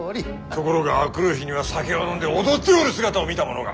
ところが明くる日には酒を飲んで踊っておる姿を見た者が。